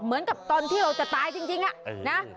เหมือนกับตอนที่เราจะตายจริงอะนะ